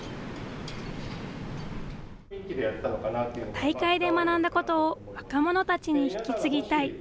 大会で学んだことを若者たちに引き継ぎたい。